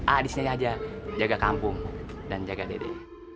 ah di sini aja jaga kampung dan jaga diri